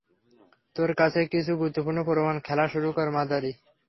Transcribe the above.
তোর কাছে কিছু গুরুত্বপূর্ণ প্রমাণ-- খেলা শুরু কর, মাদারি!